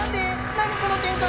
何この展開！